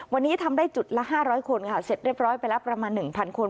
วันนี้ทำได้จุดละ๕๐๐คนค่ะเสร็จเรียบร้อยไปแล้วประมาณ๑๐๐คน